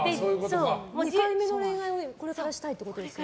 ２回目の恋愛をこれからしたいということですよね？